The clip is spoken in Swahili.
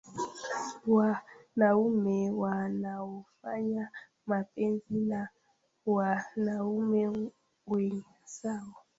wanaume wanaofanya mapenzi na wanaume wenzao